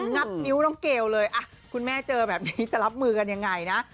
งับนิ้วน้องเกลเลยคุณแม่เจอแบบนี้จะรับมือกันยังไงนะ